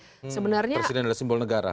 presiden adalah simbol negara